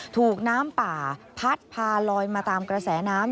ถูกน้ำป่าพัดพาลอยมาตามกระแสน้ำ